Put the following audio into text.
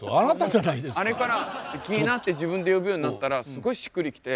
あれからＫｉｉｎａって自分で呼ぶようになったらすごいしっくり来て。